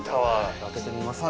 あけてみますか？